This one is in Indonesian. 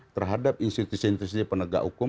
terhadap institusi institusi penegak hukum